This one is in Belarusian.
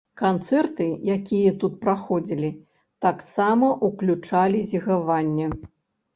Канцэрты, якія тут праходзілі, таксама ўключалі зігаванне.